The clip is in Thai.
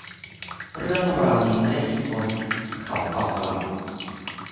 เรื่องราวนี้ไม่ได้คิดค้น เขาตอบกลับ